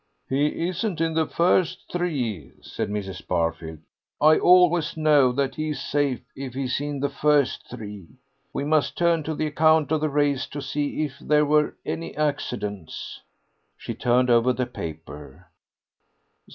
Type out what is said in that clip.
"He isn't in the first three," said Mrs. Barfield. "I always know that he's safe if he's in the first three. We must turn to the account of the race to see if there were any accidents." She turned over the paper.